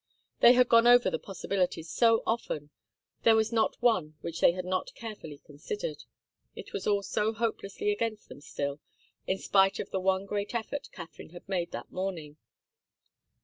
They had gone over the possibilities so often there was not one which they had not carefully considered. It was all so hopelessly against them still, in spite of the one great effort Katharine had made that morning.